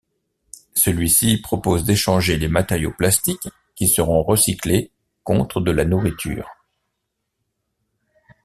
Celui-ci propose d’échanger les matériaux plastiques, qui seront recyclés, contre de la nourriture.